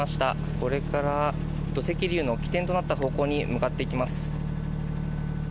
これから土石流の起点となった方向に向かっていきます。